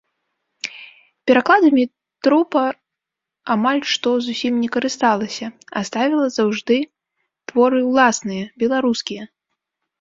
Перакладамі трупа амаль што зусім не карысталася, а ставіла заўжды творы ўласныя, беларускія.